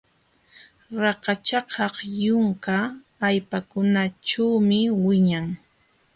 Rakachakaq yunka allpakunaćhuumi wiñan.